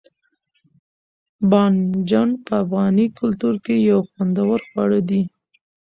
بانجڼ په افغاني کلتور کښي یو خوندور خواړه دي.